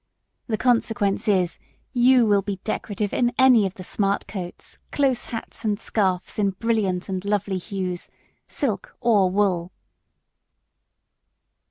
The consequence is, you will be decorative in any of the smart coats, close hats and scarfs in brilliant and lovely hues, silk or wool.